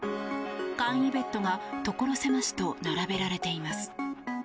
簡易ベッドが所狭しと並べられています。